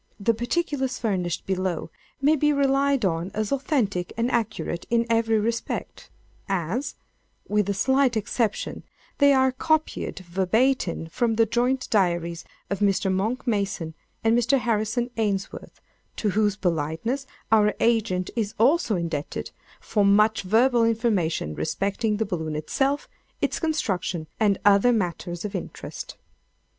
The particulars furnished below may be relied on as authentic and accurate in every respect, as, with a slight exception, they are copied verbatim from the joint diaries of Mr. Monck Mason and Mr. Harrison Ainsworth, to whose politeness our agent is also indebted for much verbal information respecting the balloon itself, its construction, and other matters of interest.